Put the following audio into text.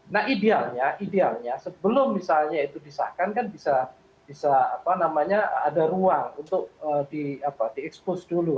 nah idealnya idealnya sebelum misalnya itu disahkan kan bisa ada ruang untuk diekspos dulu